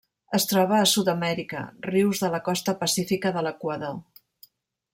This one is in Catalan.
Es troba a Sud-amèrica: rius de la costa pacífica de l'Equador.